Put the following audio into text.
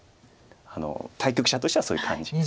対局者としてはそういう感じです